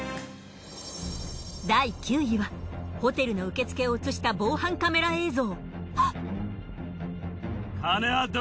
第９位はホテルの受付を映した防犯カメラ映像。